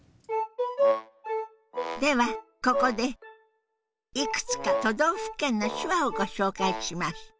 ではここでいくつか都道府県の手話をご紹介します。